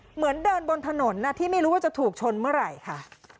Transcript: เหมือนเดินบนถนนที่ไม่รู้ว่าจะถูกชนเมื่อไหร่ค่ะ